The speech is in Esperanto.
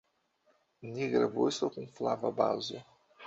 Nigra vosto kun flava bazo.